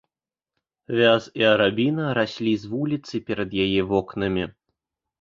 Вяз і арабіна раслі з вуліцы перад яе вокнамі.